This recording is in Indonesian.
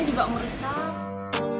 lemunya juga meresap